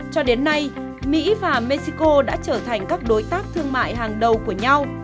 cho đến nay mỹ và mexico đã trở thành các đối tác thương mại hàng đầu của nhau